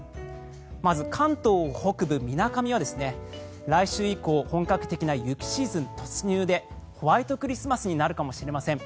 まず関東北部、みなかみは来週以降本格的な雪シーズン突入でホワイトクリスマスになるかもしれません。